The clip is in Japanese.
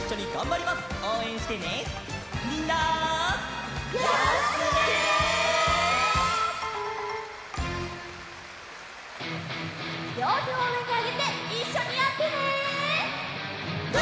りょうてをうえにあげていっしょにやってね！